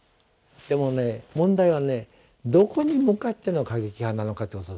でも問題はねどこに向かっての過激派なのかということですよ。